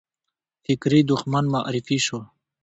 فکري دښمن معرفي شو